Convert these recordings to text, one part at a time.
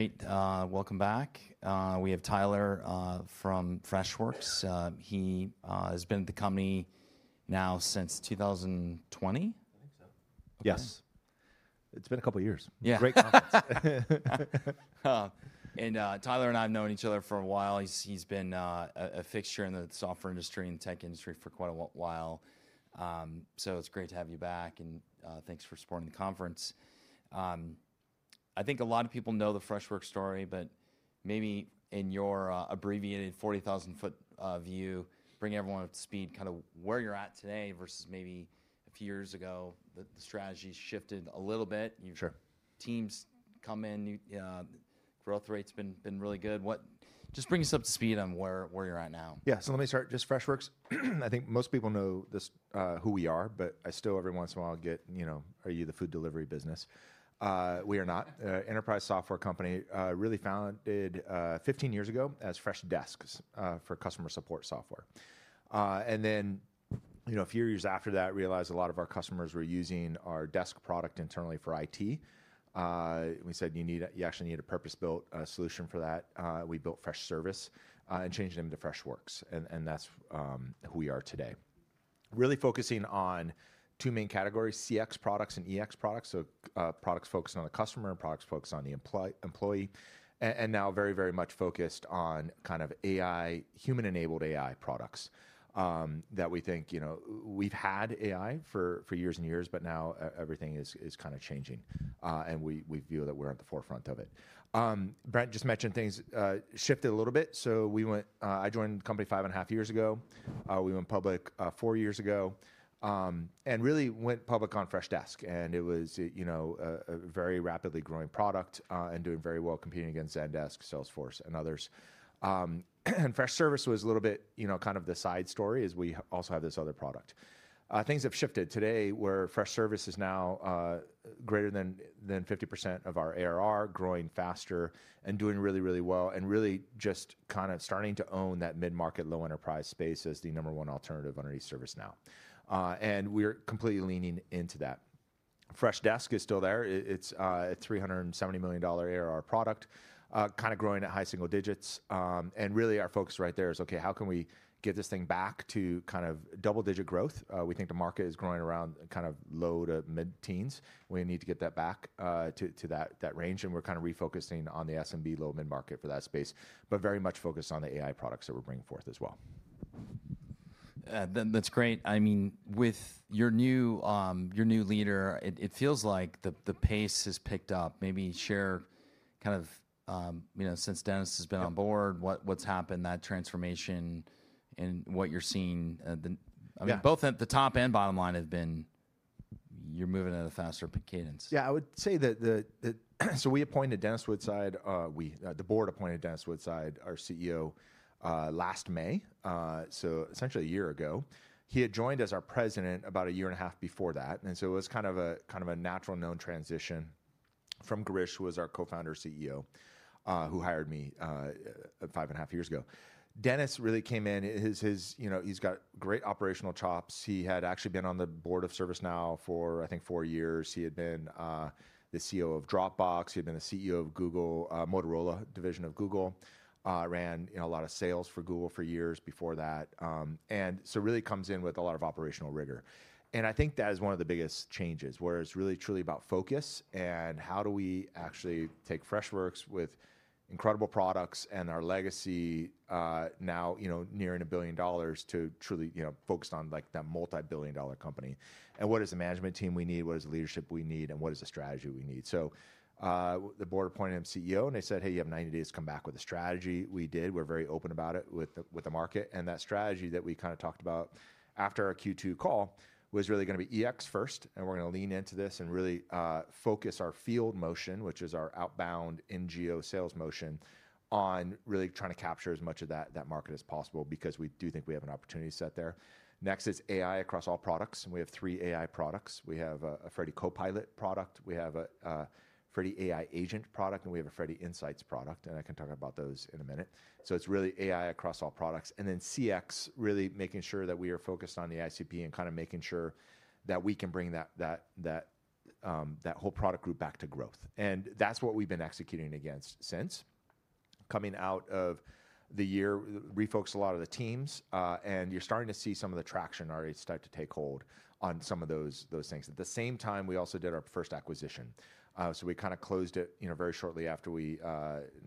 Right, welcome back. We have Tyler from Freshworks. He has been at the company now since 2020? Yes. It's been a couple of years. Yeah. Great conference. Tyler and I have known each other for a while. He's been a fixture in the software industry and tech industry for quite a while. It's great to have you back, and thanks for supporting the conference. I think a lot of people know the Freshworks story, but maybe in your abbreviated 40,000-foot view, bring everyone up to speed kind of where you're at today versus maybe a few years ago. The strategy has shifted a little bit. Sure. Teams come in, growth rate's been really good. Just bring us up to speed on where you're at now. Yeah, so let me start. Just Freshworks. I think most people know who we are, but I still, every once in a while, get, you know, are you the food delivery business? We are not. Enterprise software company really founded 15 years ago as Freshdesk for customer support software. And then a few years after that, realized a lot of our customers were using our desk product internally for IT. We said, you actually need a purpose-built solution for that. We built Freshservice and changed the name to Freshworks. And that's who we are today. Really focusing on two main categories: CX products and EX products. So products focused on the customer and products focused on the employee. And now very, very much focused on kind of AI, human-enabled AI products that we think, you know, we've had AI for years and years, but now everything is kind of changing. We feel that we're at the forefront of it. Brent just mentioned things shifted a little bit. I joined the company five and a half years ago. We went public four years ago. We really went public on Freshdesk. It was a very rapidly growing product and doing very well, competing against Zendesk, Salesforce, and others. Freshservice was a little bit kind of the side story as we also have this other product. Things have shifted. Today, Freshservice is now greater than 50% of our ARR, growing faster and doing really, really well, and really just kind of starting to own that mid-market low-enterprise space as the number one alternative underneath ServiceNow. We are completely leaning into that. Freshdesk is still there. It is a $370 million ARR product, kind of growing at high single digits. Really our focus right there is, okay, how can we get this thing back to kind of double-digit growth? We think the market is growing around kind of low to mid-teens. We need to get that back to that range. We're kind of refocusing on the SMB low-mid market for that space, but very much focused on the AI products that we're bringing forth as well. That's great. I mean, with your new leader, it feels like the pace has picked up. Maybe share kind of, you know, since Dennis has been on board, what's happened, that transformation and what you're seeing. I mean, both at the top and bottom line have been, you're moving at a faster cadence. Yeah, I would say that, we appointed Dennis Woodside, we, the board appointed Dennis Woodside, our CEO, last May. Essentially a year ago. He had joined as our president about a year and a half before that. It was kind of a kind of a natural known transition from Girish, who was our co-founder CEO, who hired me five and a half years ago. Dennis really came in, he's got great operational chops. He had actually been on the board of ServiceNow for, I think, four years. He had been the CEO of Dropbox. He had been the CEO of Google, Motorola division of Google. Ran a lot of sales for Google for years before that. He really comes in with a lot of operational rigor. I think that is one of the biggest changes, where it's really truly about focus and how do we actually take Freshworks with incredible products and our legacy now, you know, nearing a billion dollars to truly focused on like that multi-billion dollar company. What is the management team we need? What is the leadership we need? What is the strategy we need? The board appointed him CEO and they said, hey, you have 90 days to come back with a strategy. We did. We're very open about it with the market. That strategy that we kind of talked about after our Q2 call was really going to be EX first. We're going to lean into this and really focus our field motion, which is our outbound NGO sales motion, on really trying to capture as much of that market as possible because we do think we have an opportunity set there. Next is AI across all products. We have three AI products. We have a Freddy Copilot product. We have a Freddy AI Agent product. And we have a Freddy Insights product. I can talk about those in a minute. It is really AI across all products. CX, really making sure that we are focused on the ICP and kind of making sure that we can bring that whole product group back to growth. That is what we've been executing against since. Coming out of the year, refocused a lot of the teams. You're starting to see some of the traction already start to take hold on some of those things. At the same time, we also did our first acquisition. We kind of closed it very shortly after we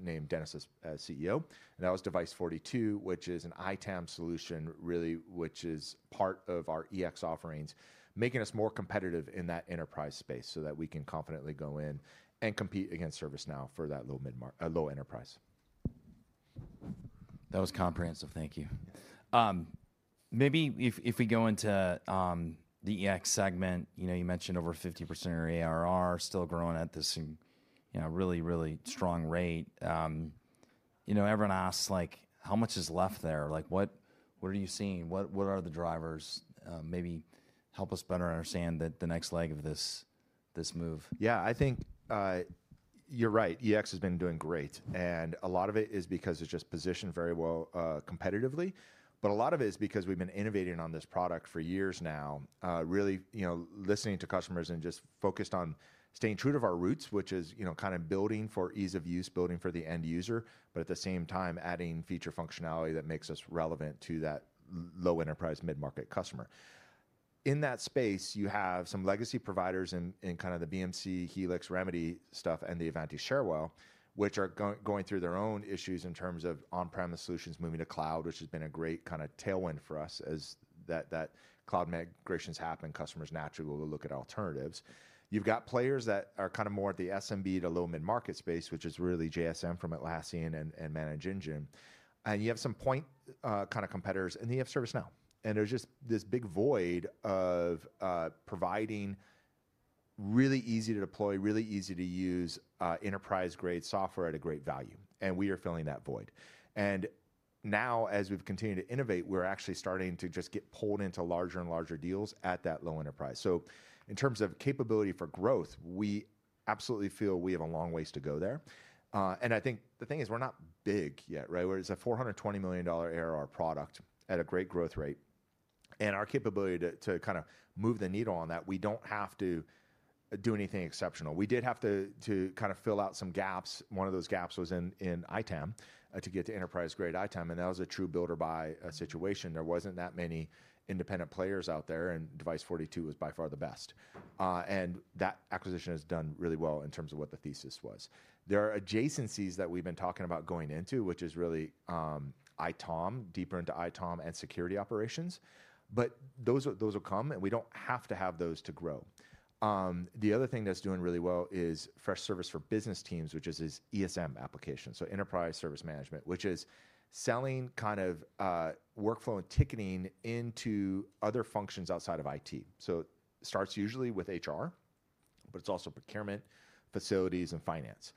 named Dennis as CEO. That was Device42, which is an ITAM solution, really, which is part of our EX offerings, making us more competitive in that enterprise space so that we can confidently go in and compete against ServiceNow for that low enterprise. That was comprehensive. Thank you. Maybe if we go into the EX segment, you mentioned over 50% of your ARR still growing at this really, really strong rate. You know, everyone asks like, how much is left there? Like what are you seeing? What are the drivers? Maybe help us better understand the next leg of this move. Yeah, I think you're right. EX has been doing great. A lot of it is because it's just positioned very well competitively. A lot of it is because we've been innovating on this product for years now, really listening to customers and just focused on staying true to our roots, which is kind of building for ease of use, building for the end user, but at the same time adding feature functionality that makes us relevant to that low enterprise mid-market customer. In that space, you have some legacy providers in kind of the BMC, Helix, Remedy stuff, and the Ivanti ShareWell, which are going through their own issues in terms of on-premise solutions moving to cloud, which has been a great kind of tailwind for us as that cloud migrations happen. Customers naturally will look at alternatives. You've got players that are kind of more at the SMB to low mid-market space, which is really JSM from Atlassian and ManageEngine. You have some point kind of competitors, and they have ServiceNow. There is just this big void of providing really easy to deploy, really easy to use enterprise-grade software at a great value. We are filling that void. Now as we've continued to innovate, we're actually starting to just get pulled into larger and larger deals at that low enterprise. In terms of capability for growth, we absolutely feel we have a long ways to go there. I think the thing is we're not big yet, right? We're at a $420 million ARR product at a great growth rate. Our capability to kind of move the needle on that, we don't have to do anything exceptional. We did have to kind of fill out some gaps. One of those gaps was in ITAM to get to enterprise-grade ITAM. That was a true builder-buy situation. There were not that many independent players out there. Device42 was by far the best. That acquisition has done really well in terms of what the thesis was. There are adjacencies that we have been talking about going into, which is really ITAM, deeper into ITAM and security operations. Those will come, and we do not have to have those to grow. The other thing that is doing really well is Freshservice for business teams, which is ESM applications. Enterprise service management is selling kind of workflow and ticketing into other functions outside of IT. It starts usually with HR, but it is also procurement, facilities, and finance.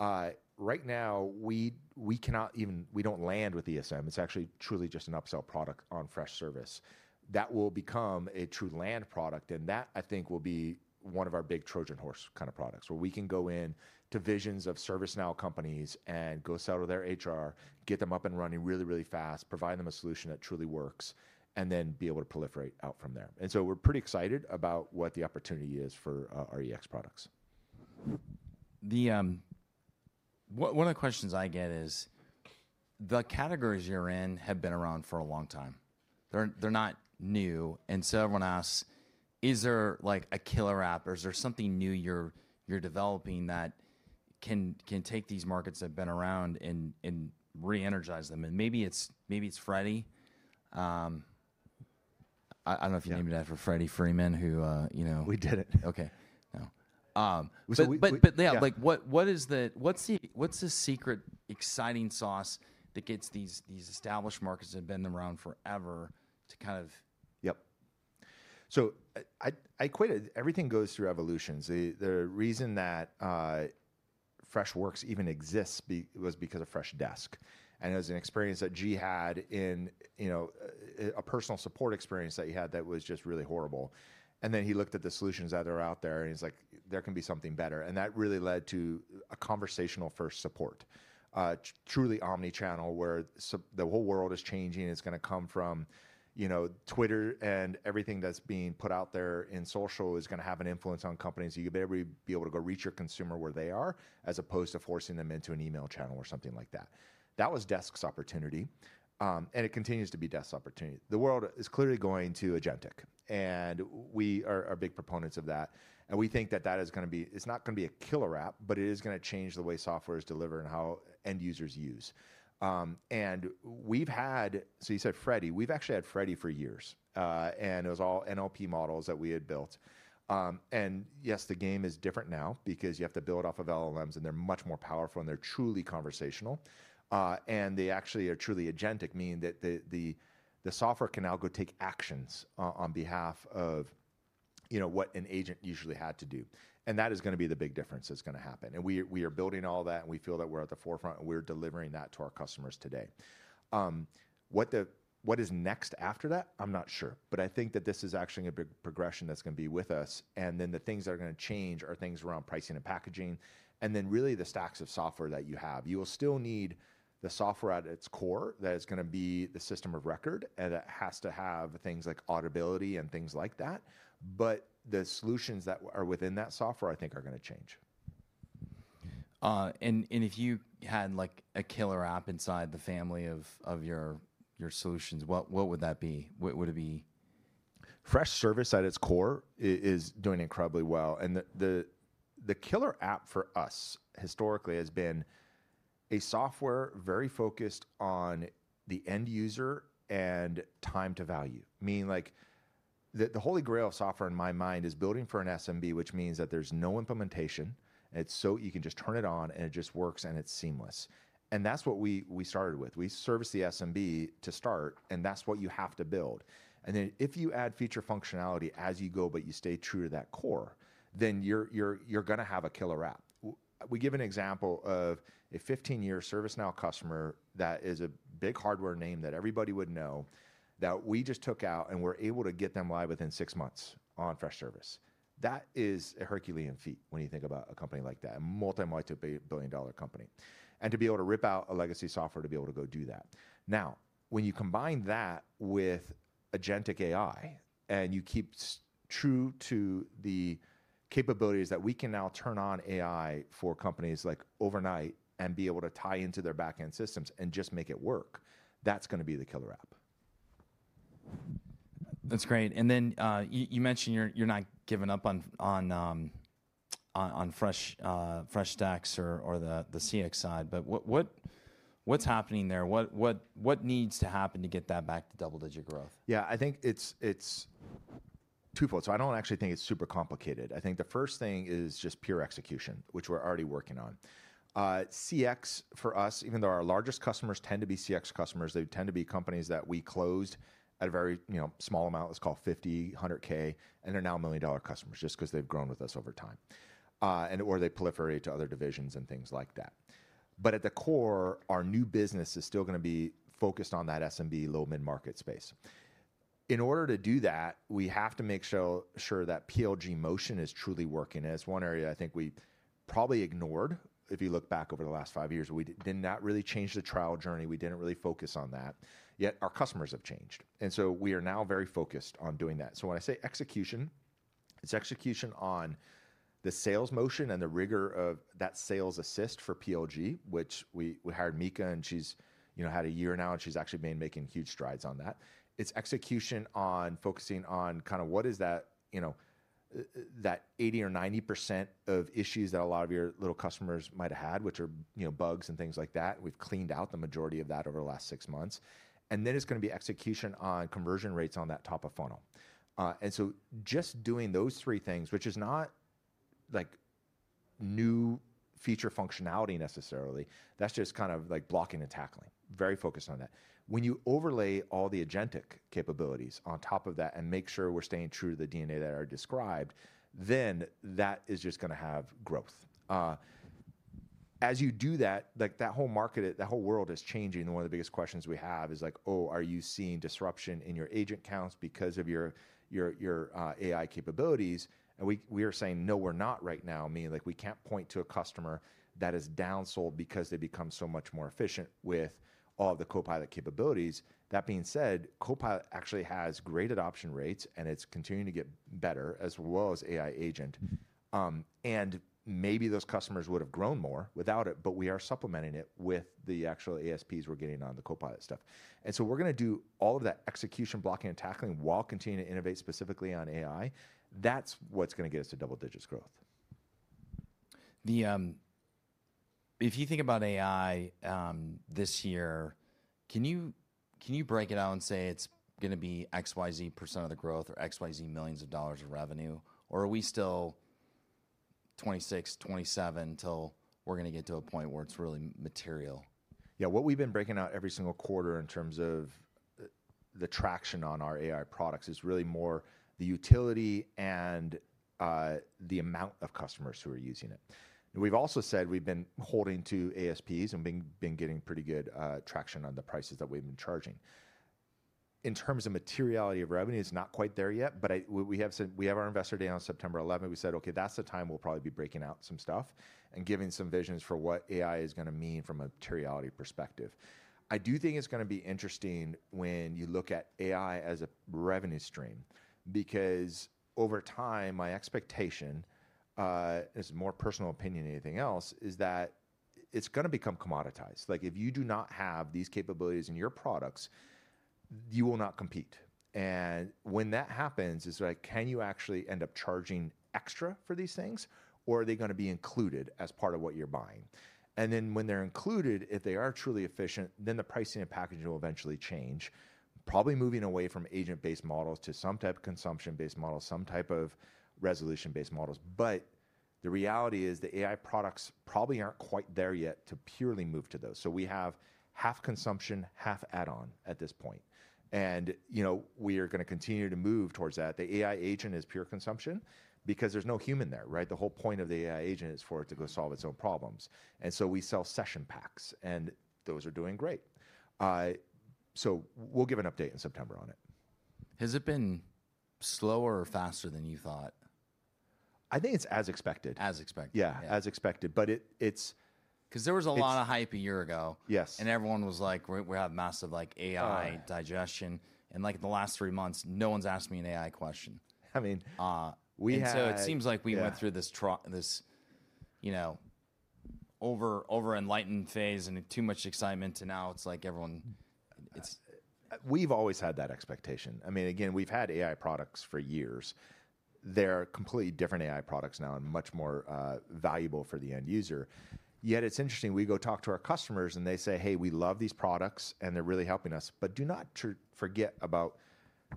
Right now, we cannot even, we do not land with ESM. It's actually truly just an upsell product on Freshservice that will become a true land product. That, I think, will be one of our big Trojan horse kind of products where we can go into divisions of ServiceNow companies and go sell to their HR, get them up and running really, really fast, provide them a solution that truly works, and then be able to proliferate out from there. We are pretty excited about what the opportunity is for our EX products. One of the questions I get is the categories you're in have been around for a long time. They're not new. Everyone asks, is there like a killer app or is there something new you're developing that can take these markets that have been around and re-energize them? Maybe it's Freddy. I don't know if you named it after Freddy Freeman, who. We did it. Okay [but now] Yeah, like what's the secret exciting sauce that gets these established markets that have been around forever to kind of. Yep. I equated everything goes through evolutions. The reason that Freshworks even exists was because of Freshdesk. And it was an experience that G had in a personal support experience that he had that was just really horrible. Then he looked at the solutions that are out there and he's like, there can be something better. That really led to a conversational-first support. Truly omnichannel where the whole world is changing. It's going to come from Twitter and everything that's being put out there in social is going to have an influence on companies. You better be able to go reach your consumer where they are as opposed to forcing them into an email channel or something like that. That was Desk's opportunity. It continues to be Desk's opportunity. The world is clearly going to agentic. We are big proponents of that. We think that that is going to be, it's not going to be a killer app, but it is going to change the way software is delivered and how end users use. We've had, so you said Freddy, we've actually had Freddy for years. It was all NLP models that we had built. Yes, the game is different now because you have to build off of LLMs and they're much more powerful and they're truly conversational. They actually are truly agentic, meaning that the software can now go take actions on behalf of what an agent usually had to do. That is going to be the big difference that's going to happen. We are building all that and we feel that we're at the forefront and we're delivering that to our customers today. What is next after that? I'm not sure. I think that this is actually a big progression that's going to be with us. The things that are going to change are things around pricing and packaging. Really the stacks of software that you have. You will still need the software at its core that is going to be the system of record and that has to have things like audibility and things like that. The solutions that are within that software I think are going to change. If you had like a killer app inside the family of your solutions, what would that be? What would it be? Freshservice at its core is doing incredibly well. The killer app for us historically has been a software very focused on the end user and time to value. Meaning like the holy grail software in my mind is building for an SMB, which means that there's no implementation. You can just turn it on and it just works and it's seamless. That's what we started with. We serviced the SMB to start and that's what you have to build. If you add feature functionality as you go, but you stay true to that core, then you're going to have a killer app. We give an example of a 15-year ServiceNow customer that is a big hardware name that everybody would know that we just took out and were able to get them live within six months on Freshservice. That is a Herculean feat when you think about a company like that, a multi-multi-billion dollar company. To be able to rip out a legacy software to be able to go do that. Now, when you combine that with agentic AI and you keep true to the capabilities that we can now turn on AI for companies like overnight and be able to tie into their backend systems and just make it work, that's going to be the killer app. That's great. You mentioned you're not giving up on Freshdesk or the CX side, but what's happening there? What needs to happen to get that back to double-digit growth? Yeah, I think it's twofold. I don't actually think it's super complicated. I think the first thing is just pure execution, which we're already working on. CX for us, even though our largest customers tend to be CX customers, they tend to be companies that we closed at a very small amount, let's call it $50,000-$100,000, and they're now million dollar customers just because they've grown with us over time. And/or they proliferate to other divisions and things like that. At the core, our new business is still going to be focused on that SMB low mid-market space. In order to do that, we have to make sure that PLG motion is truly working. It's one area I think we probably ignored if you look back over the last five years. We did not really change the trial journey. We didn't really focus on that. Yet our customers have changed. We are now very focused on doing that. When I say execution, it's execution on the sales motion and the rigor of that sales assist for PLG, which we hired Mika and she's had a year now and she's actually been making huge strides on that. It's execution on focusing on kind of what is that 80% or 90% of issues that a lot of your little customers might have had, which are bugs and things like that. We've cleaned out the majority of that over the last six months. It is going to be execution on conversion rates on that top of funnel. Just doing those three things, which is not like new feature functionality necessarily, that's just kind of like blocking and tackling. Very focused on that. When you overlay all the agentic capabilities on top of that and make sure we're staying true to the DNA that are described, then that is just going to have growth. As you do that, like that whole market, that whole world is changing. One of the biggest questions we have is like, oh, are you seeing disruption in your agent counts because of your AI capabilities? We are saying no, we're not right now. Meaning like we can't point to a customer that is downsold because they become so much more efficient with all the Copilot capabilities. That being said, Copilot actually has great adoption rates and it's continuing to get better as well as AI agent. Maybe those customers would have grown more without it, but we are supplementing it with the actual ASPs we're getting on the Copilot stuff. We're going to do all of that execution, blocking, and tackling while continuing to innovate specifically on AI. That's what's going to get us to double digits growth. If you think about AI this year, can you break it out and say it's going to be XYZ% of the growth or XYZ millions of dollars of revenue? Or are we still 2026, 2027 until we're going to get to a point where it's really material? Yeah, what we've been breaking out every single quarter in terms of the traction on our AI products is really more the utility and the amount of customers who are using it. We've also said we've been holding to ASPs and been getting pretty good traction on the prices that we've been charging. In terms of materiality of revenue, it's not quite there yet, but we have our investor day on September 11. We said, okay, that's the time we'll probably be breaking out some stuff and giving some visions for what AI is going to mean from a materiality perspective. I do think it's going to be interesting when you look at AI as a revenue stream because over time, my expectation, it's more personal opinion than anything else, is that it's going to become commoditized. Like if you do not have these capabilities in your products, you will not compete. When that happens, it's like, can you actually end up charging extra for these things or are they going to be included as part of what you're buying? When they're included, if they are truly efficient, then the pricing and packaging will eventually change. Probably moving away from agent-based models to some type of consumption-based models, some type of resolution-based models. The reality is the AI products probably aren't quite there yet to purely move to those. We have half consumption, half add-on at this point. We are going to continue to move towards that. The AI agent is pure consumption because there's no human there, right? The whole point of the AI agent is for it to go solve its own problems. We sell session packs and those are doing great. We will give an update in September on it. Has it been slower or faster than you thought? I think it's as expected. As expected. Yeah, as expected. But it's. Because there was a lot of hype a year ago. Yes. Everyone was like, we have massive like AI digestion. And like in the last three months, no one's asked me an AI question. I mean. It seems like we went through this over-enlightened phase and too much excitement and now it's like everyone. We've always had that expectation. I mean, again, we've had AI products for years. They're completely different AI products now and much more valuable for the end user. Yet it's interesting, we go talk to our customers and they say, hey, we love these products and they're really helping us, but do not forget about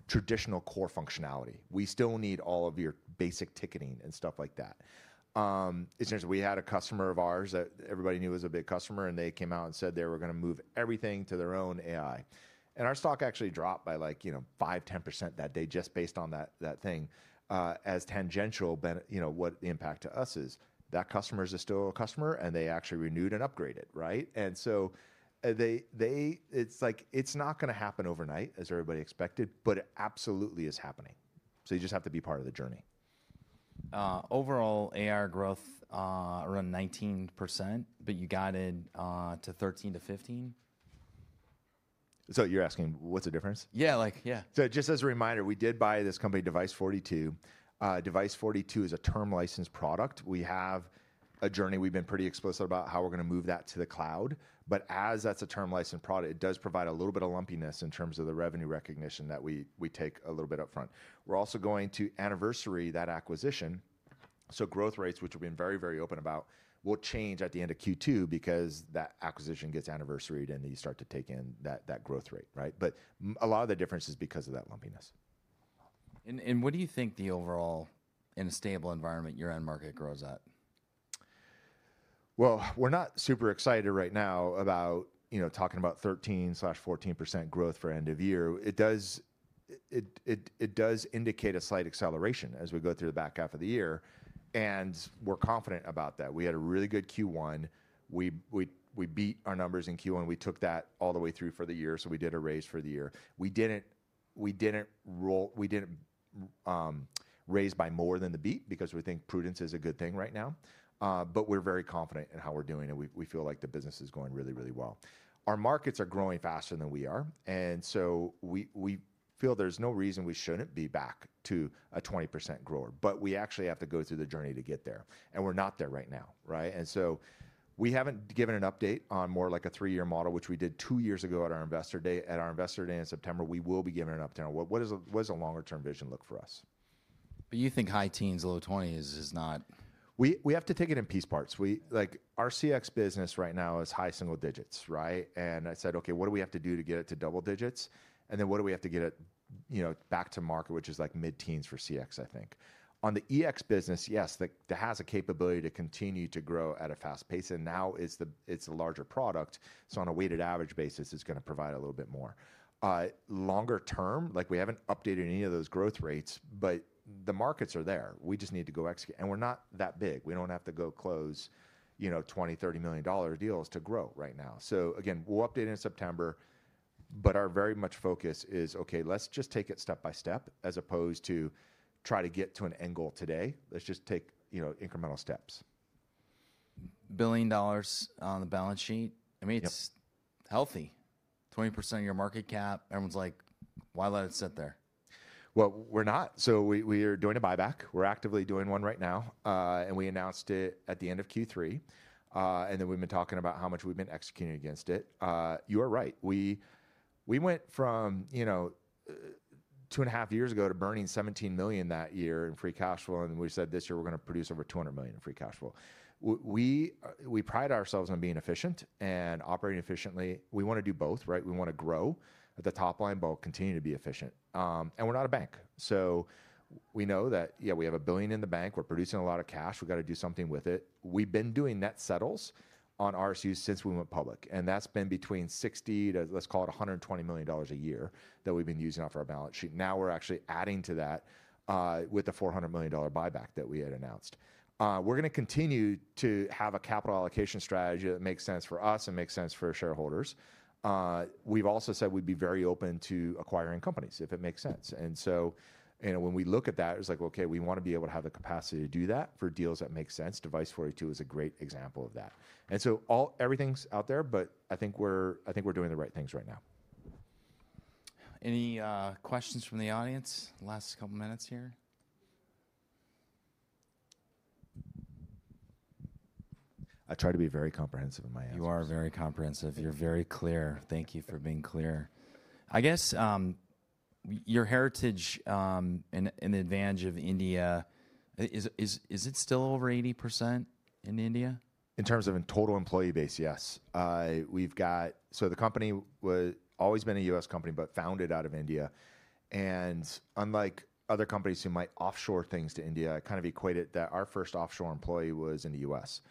traditional core functionality. We still need all of your basic ticketing and stuff like that. We had a customer of ours that everybody knew was a big customer and they came out and said they were going to move everything to their own AI. Our stock actually dropped by like 5-10% that day just based on that thing. As tangential, what the impact to us is that customer is still a customer and they actually renewed and upgraded, right? It's not going to happen overnight as everybody expected, but it absolutely is happening. You just have to be part of the journey. Overall AI growth around 19%, but you got it to 13-15%? You're asking what's the difference? Yeah, like, yeah. Just as a reminder, we did buy this company, Device42. Device42 is a term licensed product. We have a journey. We've been pretty explicit about how we're going to move that to the cloud. As that's a term licensed product, it does provide a little bit of lumpiness in terms of the revenue recognition that we take a little bit upfront. We're also going to anniversary that acquisition. Growth rates, which we've been very, very open about, will change at the end of Q2 because that acquisition gets anniversary and then you start to take in that growth rate, right? A lot of the difference is because of that lumpiness. What do you think the overall and stable environment your end market grows at? We're not super excited right now about talking about 13-14% growth for end of year. It does indicate a slight acceleration as we go through the back half of the year. We're confident about that. We had a really good Q1. We beat our numbers in Q1. We took that all the way through for the year. We did a raise for the year. We didn't raise by more than the beat because we think prudence is a good thing right now. We're very confident in how we're doing and we feel like the business is going really, really well. Our markets are growing faster than we are. We feel there's no reason we shouldn't be back to a 20% grower, but we actually have to go through the journey to get there. We're not there right now, right? We have not given an update on more like a three-year model, which we did two years ago at our investor day in September. We will be giving an update. What does a longer-term vision look for us? You think high teens, low 20s is not. We have to take it in piece parts. Our CX business right now is high single digits, right? I said, okay, what do we have to do to get it to double digits? What do we have to get it back to market, which is like mid-teens for CX, I think. On the EX business, yes, that has a capability to continue to grow at a fast pace. Now it's a larger product. On a weighted average basis, it's going to provide a little bit more. Longer term, we haven't updated any of those growth rates, but the markets are there. We just need to go execute. We're not that big. We don't have to go close $20 million-$30 million deals to grow right now. Again, we'll update in September, but our very much focus is, okay, let's just take it step by step as opposed to try to get to an end goal today. Let's just take incremental steps. Billion dollars on the balance sheet. I mean, it's healthy. 20% of your market cap. Everyone's like, why let it sit there? We are doing a buyback. We are actively doing one right now. We announced it at the end of Q3. We have been talking about how much we have been executing against it. You are right. We went from two and a half years ago to burning $17 million that year in free cash flow. We said this year we are going to produce over $200 million in free cash flow. We pride ourselves on being efficient and operating efficiently. We want to do both, right? We want to grow at the top line, but continue to be efficient. We are not a bank. We know that, yeah, we have a billion in the bank. We are producing a lot of cash. We have to do something with it. We have been doing net settles on RSUs since we went public. That has been between $60 million-$120 million a year that we have been using off our balance sheet. Now we are actually adding to that with the $400 million buyback that we had announced. We are going to continue to have a capital allocation strategy that makes sense for us and makes sense for shareholders. We have also said we would be very open to acquiring companies if it makes sense. When we look at that, it is like, okay, we want to be able to have the capacity to do that for deals that make sense. Device42 is a great example of that. Everything is out there, but I think we are doing the right things right now. Any questions from the audience? Last couple of minutes here. I try to be very comprehensive in my answers. You are very comprehensive. You're very clear. Thank you for being clear. I guess your heritage and advantage of India, is it still over 80% in India? In terms of total employee base, yes. So the company was always been a U.S. company, but founded out of India. And unlike other companies who might offshore things to India, I kind of equate it that our first offshore employee was in the U.S.,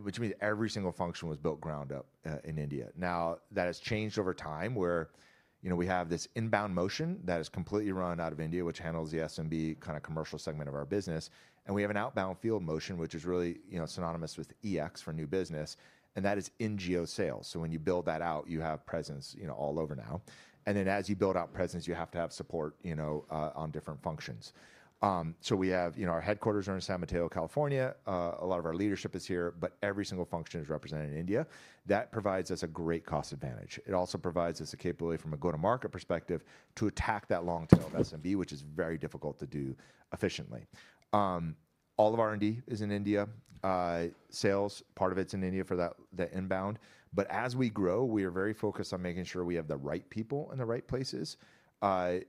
which means every single function was built ground up in India. Now that has changed over time where we have this inbound motion that is completely run out of India, which handles the SMB kind of commercial segment of our business. We have an outbound field motion, which is really synonymous with EX for new business. That is NGO sales. When you build that out, you have presence all over now. As you build out presence, you have to have support on different functions. We have our headquarters are in San Mateo, California. A lot of our leadership is here, but every single function is represented in India. That provides us a great cost advantage. It also provides us a capability from a go-to-market perspective to attack that long tail of SMB, which is very difficult to do efficiently. All of R&D is in India. Sales, part of it is in India for the inbound. As we grow, we are very focused on making sure we have the right people in the right places. Fundamentally,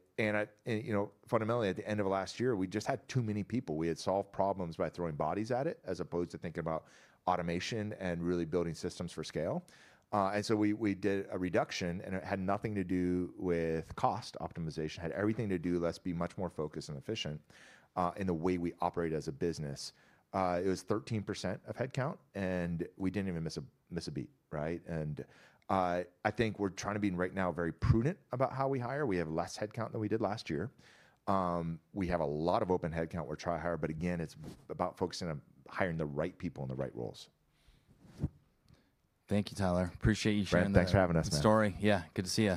at the end of last year, we just had too many people. We had solved problems by throwing bodies at it as opposed to thinking about automation and really building systems for scale. We did a reduction and it had nothing to do with cost optimization. It had everything to do, let's be much more focused and efficient in the way we operate as a business. It was 13% of headcount and we didn't even miss a beat, right? I think we're trying to be right now very prudent about how we hire. We have less headcount than we did last year. We have a lot of open headcount we're trying to hire, but again, it's about focusing on hiring the right people in the right roles. Thank you, Tyler. Appreciate you sharing that story. Thanks for having us, man. Story. Yeah, good to see you.